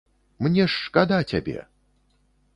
Мне ж шкада цябе!